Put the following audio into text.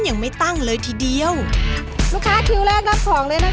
ยังไม่ตั้งเลยทีเดียวลูกค้าคิวแรกรับของเลยนะคะ